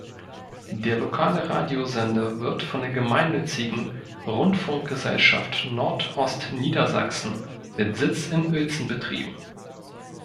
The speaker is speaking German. Der lokale Radiosender wird von der gemeinnützigen "Rundfunkgesellschaft Nordostniedersachsen" mit Sitz in Uelzen betrieben.